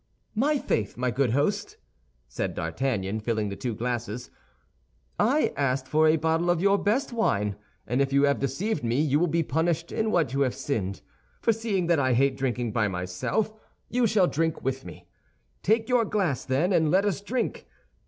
"My faith, my good host," said D'Artagnan, filling the two glasses, "I asked for a bottle of your best wine, and if you have deceived me, you will be punished in what you have sinned; for seeing that I hate drinking by myself, you shall drink with me. Take your glass, then, and let us drink.